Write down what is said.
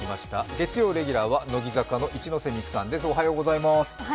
月曜レギュラーは乃木坂の一ノ瀬美空さんです。